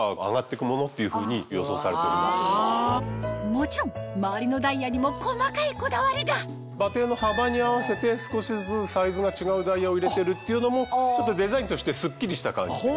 もちろん周りのダイヤにも細かいこだわりが馬蹄の幅に合わせて少しずつサイズが違うダイヤを入れてるっていうのもデザインとしてスッキリした感じで。